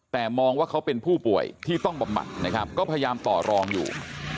แต่มองว่าเขาเป็นผู้ป่วยที่ต้องบำบัดนะครับก็พยายามต่อรองอยู่